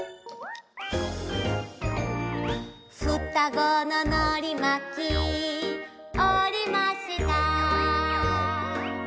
「双子ののりまきおりました」